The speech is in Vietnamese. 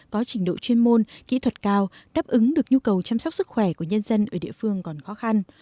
có trình độ chuyên môn kỹ thuật cao đáp ứng được nhu cầu chăm sóc sức khỏe của nhân dân ở địa phương còn khó khăn